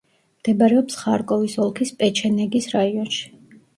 მდებარეობს ხარკოვის ოლქის პეჩენეგის რაიონში.